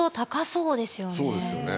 そうですよね。